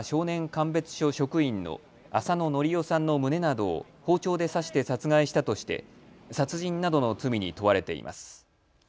鑑別所職員の浅野法代さんの胸などを包丁で刺して殺害したとして殺人などの罪に問われています。